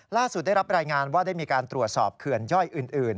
ได้รับรายงานว่าได้มีการตรวจสอบเขื่อนย่อยอื่น